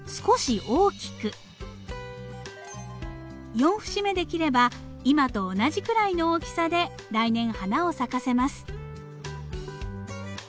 ４節目で切れば今と同じくらいの大きさで来年花を咲かせます。